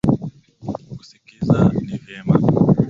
Kusikiza ni vyema.